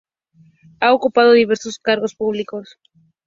Ha ocupado diversos cargos públicos.